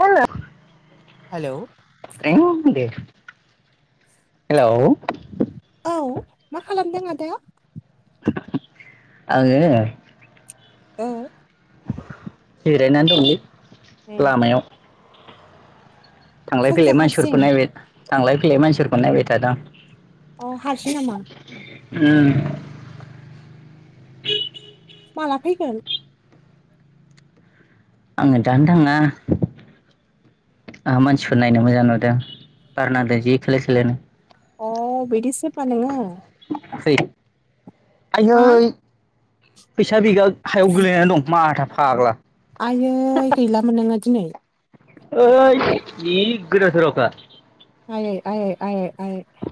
हेल'। Hello. Hello. औ मा खालामदों आदा? आङो औ। जिरायनानै दंलै लामायाव। थांलाय फैलाय मानसिफोरखौ नायबाय थांलाय फैलाय मानसिफोरखौ नायबाय थादां। अ हारसिं नामा? उम। माला फैगोन? आङो दानो थाङा आंहा मानसिफोर नायनो मोजां नुदों बार नांदों जि खोलो खोलोनो। अ बिदिसो ओमबा नोङो। फै। हा आययै फैसा बेगा हायाव गोलैनानै दं माथाब फाग्ला। आयै गैलामोन नोङो दिनै। ओइ जि गोदाव सोरावखा। आयै आयै आयै आयै।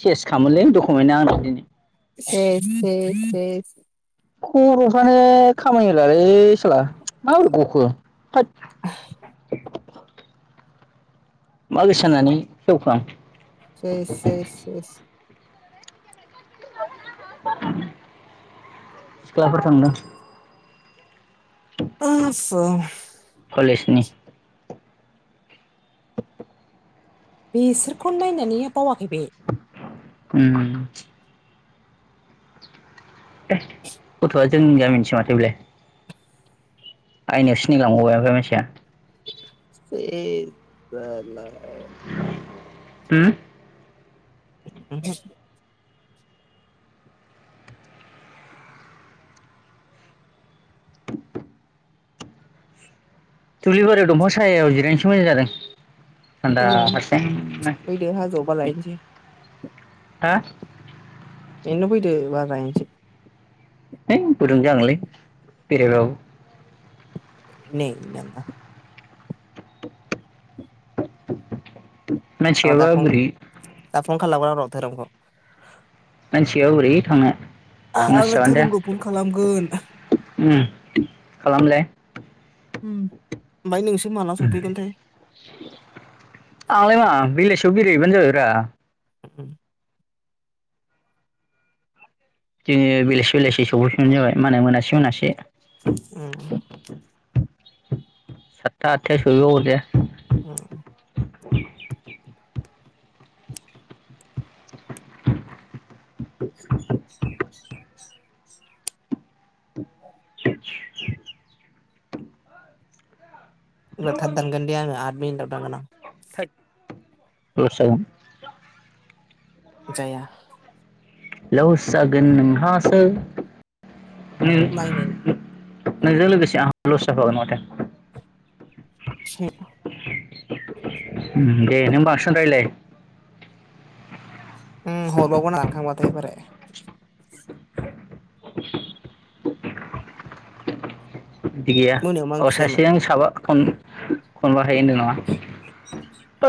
सेस खालामोनलै दखुमेन्टा आंना दिनै। से से सेस। खर'फ्रानो खामानि होलालै सोला माबोरै गखो। [inaudible] मा गोसोजानानै खेवखो आं। सेस सेस सेस। सिख्लाफोर थांदों। आसा। कलेसनि। [inaudible] बेसोरखौन नायनानै बावाखै बे। उम। गथ'आ जोंनि गामिनिसो माथो बेलाय। आइनाव सिनायलांबावबाय ओमफाय मानसिया। [unintelligible] [unintelligible] [inaudible] दुब्लि बारियाव दंफां सायायाव जिरायनोसो मोजां जादों। थान्दा उम हारसिं नो। फैदो हाजोआव बार गायनोसै हा बिनो फैदो बार जाहैनिसै है गुदुं जांलै बेरायबाबो नै नोंबा र' दा मानसिआबा फन बोरै दा फन खालामगोन र धोरोमखौ मानसियाव ओरै थांनो ओ आंङो मानसियानो दा धोरोमखौ फन खालामगोन। उम खालामलाय अम ओमफ्राय नोंसोर माला सफैगोनथाय याव बेरायहैबानो जाबायब्रा। अम जोंङो बेलासे-बेलासि सौहैफिनबानो जाबाय माने मोनासे-मोनासे अम साथथा आथथायाव सहैबाबो अरजाया अम [inaudible] एबार थाब दानगोन दे आंङो आथ मिनिट आव दानगोन आं लस जागोन जाया लस जागोन नोंहासो नायनायसै [unintelligible] नोंजों लोगोसे आंहाबो लस जाफागोन माथो [inaudible] दे नों बांसिन रायलाय अम हरबावगोन आं थांबा दे बोराय [inaudible] बिदि गैया मोनायाव मा अ ओंख्रि जायामोन सासेजों साबा खन खनबा हायोनो ना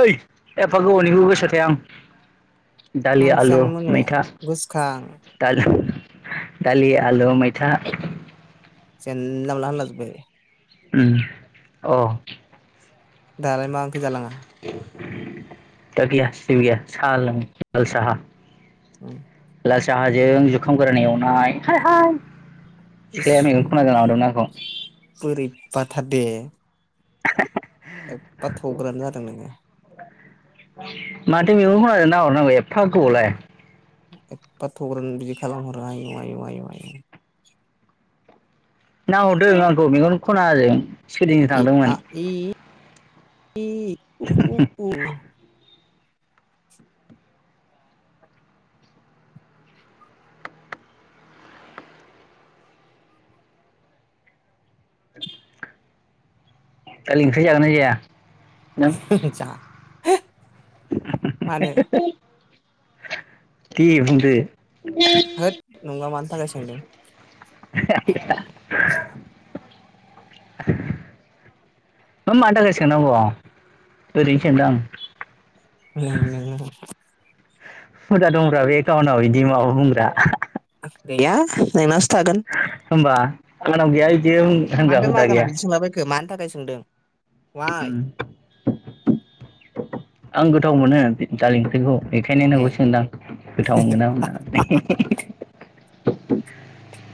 ओइ एफा गोबावनिबो गोसोआव थाया आं मा दालि ओंख्रि आलु जायामोन मोनायाव मैथा गोसोखां दाल दालि आलु मैथा जानला मानला होनला जोबबाय अम अ दालाय मा ओंख्रि जालांङा दा गैया जेबो गैया सालों लाल साहा उम लाल साहाजों जुखाम गोरान एवनाय हाय हाय इसोर बोरैबा थारदे [inaudible] एफा थग्रोन जादों नोङो माथो मेगन खनाजों नाहरनांगौ एफा गोबावलाय एफ्फा थग्रोन बिदि खालामहरो आयु आयु आयु आयु नाहरदों आंखौ मेगन खनाजों सुकुथिजों ए आ थांदोंमोन इ उ उ दालि ओंख्रि जागोना जाया नों जा [unintelligible] मानो [unintelligible] दे बुंदो होद नोंबा मानि थाखाय सोंदों मा मानि थाखाय सोंनांग ओरैनो सोंदों आं नै नोङो हुदा दंब्रा बे गावनाव इदि माबा बुंग्रा गैया नोंनासो थागोन [unintelligible] होनग्रा हुदा मानोथो गैया [unintelligible] बिदि सोंलाबायखो मानि थाखाय सोंदों वाइ उम आं गोथाव मोनो दालि ओंख्रिखौ बेखायनो ए नोंखौ सोंदां गोथाव मोनगोना‌ मोना होननानै [inaudible]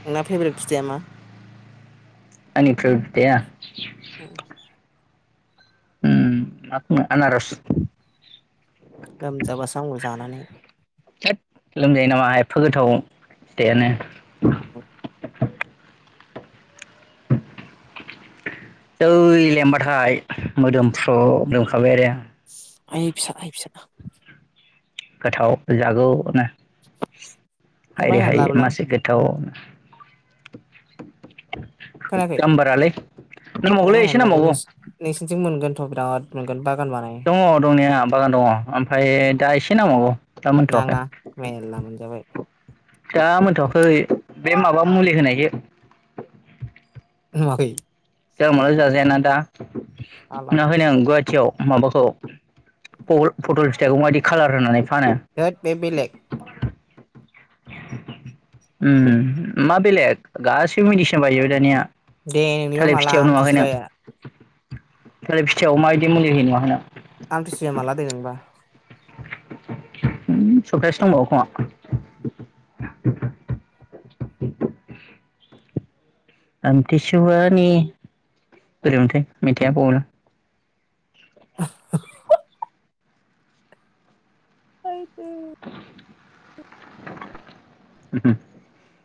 नोंना फेबरेद फिथाइया मा आंनि फेबरेद फिथाइया उम [unintelligible] आनारस लोमजाबासो हामगौ जानानै थोद लोमजायो नामा एफा गोथाव फिथाइयानो [inaudible] जै लेमबाथाय मोदोमफ्रु मोदोमखाबाय आरो [inaudible] गोथाव जागौनो दा हायरे बायनानै हाय लाबोलाय मासे गोथाव खोनायाखै गाम्बारालै दा नांबावगौलै एसे बायनानै लाबो नांबावगौ नोंसि नोंसिनिथिं मोनगोन थ बिराद मोनोन बा [inaudible] दङ दंनाया बागान दङ ओमफ्राय दा एसे नांबावगौ दा मोनथवाखै नाङा मेरला मोनजाबाय दा मोनथवाखै बे माबा मुलि होनायसो नुवाखै। जानला मानला जाजाया ना‌ दा। फाग्ला [inaudible] [inaudible] माबाखौ फटल फिथाइखौ बायदि कालार होनानै। फानो होट बे बेलेक! ओम मा बेलेग गासैबो मेडिसिना बारिजोबो दानिया। दे नोंनिबा थालिर माला फिथाइयाव नुवाखै नों आमथिसुवाया थालिर फिथाइआव माबायदि मुलि होयो नुवाखै नों आमथिसुवाया माला दे नोंबा [unintelligible] आमथिसुवानि बोरैमोनथाय मेथाइआ बावबायलां। [inaudible] आयदै [inaudible]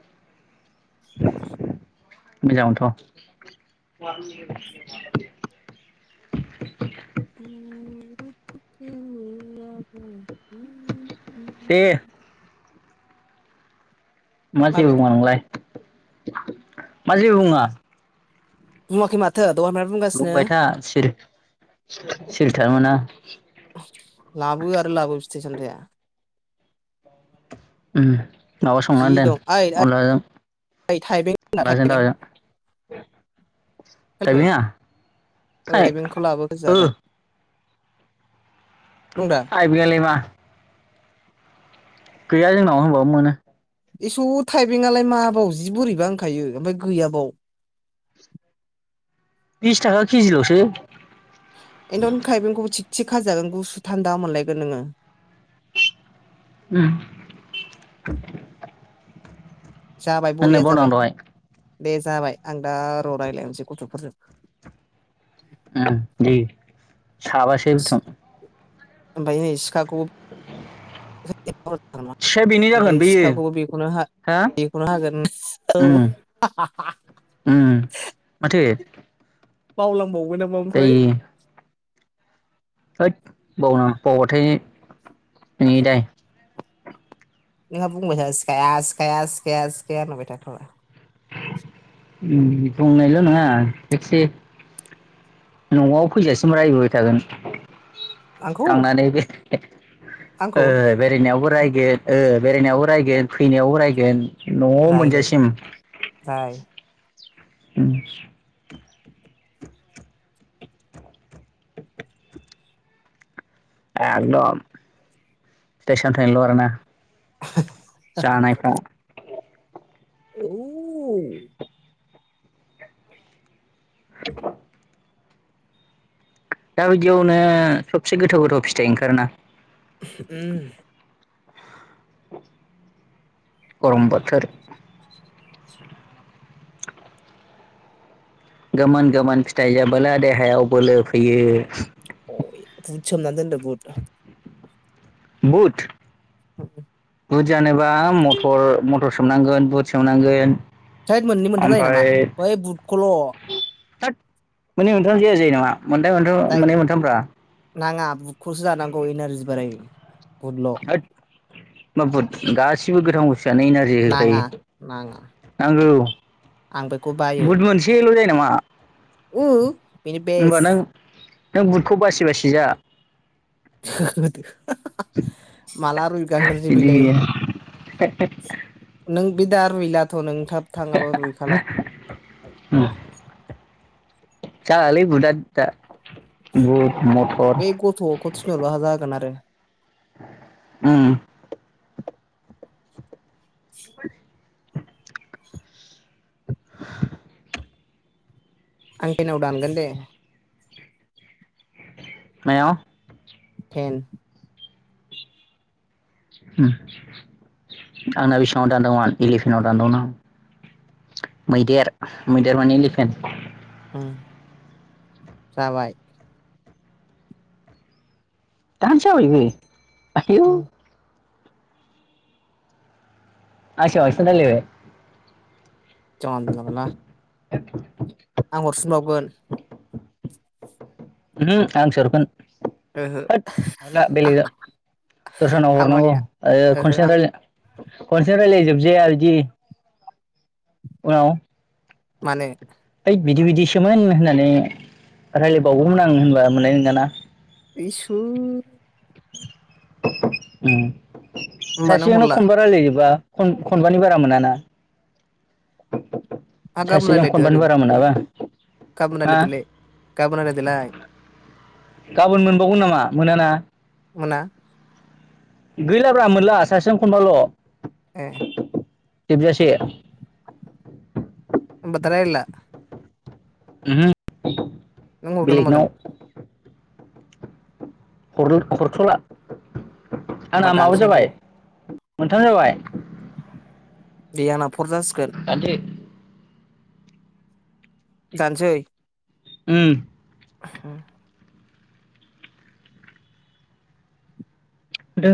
मोजांमोनथ [inaudible] [unintelligible] दे। मा जेबो माबे बुङा नोंलाय। मा जेबो बुङा। बुङाखै माथो। दहायनिफ्राय बुंगासिनो बुंबाय था सिरि। सिरि थानो मोना। लाबो आरो लाबो। थाइ-सामथाइया ओम। माबा संनानै दोन अनलाजों ओइ थाइबें होनना अनलाजों थाइबें दाउजों फैखो थाइबेङा ओ थाय थाइबेंखौ लाबोखो ओ। जागोन दं दा थाइबेङालाय मा। गैया जोंनाव होनबाबो मोनो। एस' थाइबेंलाय माबाव जि बोरैबा होनखायो ओमफाय गैयाबाव। बिस थाखा केजिल'सो। एनथन खाइबेंखौबो थिग थिखाजागोन गुसु थान्दा मोनलायगोन नोङो। ओम जाबाय बरिया जाबाय। दे जाबाय आं दा र' रायलायनोसै गथ'फोरजों। आ दे। साबासे बुथुम। आमफाय ओइ सिखाखुब [unintelligible] सेया बेनो जागोन ओमफाय बेयो सिखाखौबो बेखौनो हा बेखौनो हागोन औ उम उम माथो [unintelligible] बावलांबाव मोनामबा ओमफ्राय जायो होद बावनाङा बावबाथाय नोंनि दाय। नोंहा बुंबाय था सिखाया सिखाया सिखाया सिखाया होनहरबायथा फाग्ला। उम बुंनायल' नङा थिगसे न'आव फैजासिम रायबोबाय थागोन। आंखौ थांनानै बे ओ आंखौ बेरायनायावबो रायगोन ओ। बेरायनायावबो रायगोन फैनायावबो रायगोन। न'आव रायलाय मोनजासिम। राय उम एकदम फिथाइ -सामथाइनिल' आरो ना? जानायफ्राव औ दा बायदियावनो सबसिन गोथाव गोथाव फिथाइ ओंखारो ना? उम गरम बोथोर। गोमोन गोमोन फिथाइ जाबोला देहायाव बोलो फैयो। अइ बुद सोमना दोनदो बुद। बुत? उम बुट जानोबा मटर मटर सोमनांगोन बुट सोमनांगोन। थैद मोननै मोनथाम जायो नामा? ओमफ्राय बै बुटखौल'। थोद मोननै मोनथाम जाया जायो नामा? मोनथाय मोनद' जाय माने मोनथामब्रा। नाङा बुटखौसो जानांगौ इनारजि बारायो। बुदल'। होद मा बुट? गासिबो गोथां बुस्थ थुआनो इनारजि नाङा होखायो। नाङा नांगौ। [inaudible] आं बेखौ बायो बुद मोनसेल' जायो नामा? आ। उ। बेनो बेस। नों बुटखौ बासि बासि जा। [inaudible] हाहाहा माला फैय [inaudible] बिदि गैया [unintelligible] बिदा रूयलाथ' नों था थाङाबा रुइखाला। उम जालालै बुदा दा। [unintelligible] बुट उम मथर बेै गथ'खौ थिनहरबा हा जागोन आरो। उम। [inaudible] आं केनाव दानगोन दे। मायाव? थेन। उम आंना बेसेबांङाव दानदोंमोन एलिफेनाव दानदोंमोन आं मैदेर मैदेर माने एलिफेन। उम जाबाय। दानो जाबायबो। आयौ। उम आनिसाय बांसिन रायजलायबाय। जानला मोनला। [inaudible] आं हरफिनबावगोन उमहो आंसो हरगोन। ओहो होद बेलेखा दस्रानाव आं हरनांगौ मानिया आरो ओहो खनसि आं रयलयनो [unintelligible] खनसे रायलाय जाबजाया बिदि। उनाव। माने। ओइ बिदि बिदिसोमोन होननानै रायजलायबावगौमोन आं होनबा मोननाय नंङाना। इसुर। उम। होमबा नों सासेजोंनो हरला खनबा रायलायोबा। खनबानि बारा मोनाना। आ गाबोन सासेजों रयलायदो खनबानि आरो बारा मोनाबा गाबोन हा रायलायदोलाय गाबोन रायलायदोलाय। गाबोन मोनबावगोन नामा मोनाना? मोना। गैलाब्रा मोनला सासेजों खनबाल'। ए जोबजासे। ओनबा दा रायलायला। उमहो। नों हरगोन ना मागोन? [unintelligible] हरथला। होमबा आंना माबा दानसै आं जाबाय दे मोनथाम जाबाय दे आंना फर जासिगोन दानदो दानसै। उम। उम। दो।